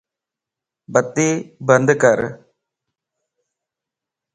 بتي بند ڪر